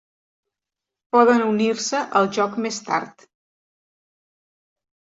Poden unir-se al joc més tard.